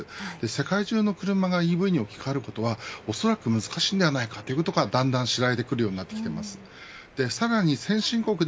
世界中の車がＥＶに置き換わることは、おそらく難しいのではということがだんだんと知られてくるようになっています。